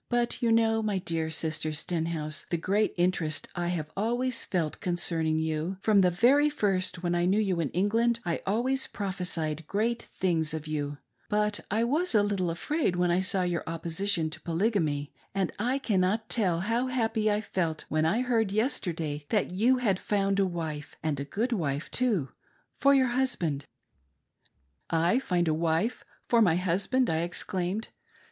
But you know, my dear Sister Sten REALLY QUITE DISAPPOINTED. 415 house, the great interest I have always felt concerning you ; from the very first when I knew you in England I always prophesied great things of you, but I was a little afraid when I saw your opposition to Polygamy, and I cannot tell how happy I felt when I heard yesterday that you had found a v/ife — and a good wife too — for your husband. " I find a wife for my husband !" I exclaimed.